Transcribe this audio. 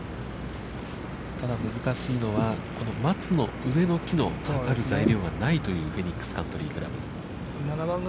ただ難しいのは、この松の上の木の、当たる状況がないというフェニックスカントリークラブ。